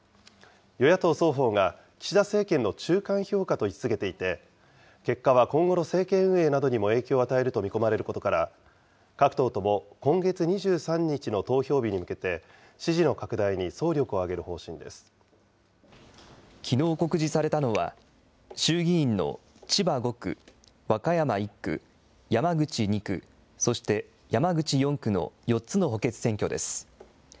与野党双方が岸田政権の中間評価と位置づけていて、結果は今後の政権運営などにも影響を与えると見込まれることから、各党とも今月２３日の投票日に向けて、支持の拡大に総力を挙げるきのう告示されたのは、衆議院の千葉５区、和歌山１区、山口２区、そして山口４区の４つの補欠選挙です。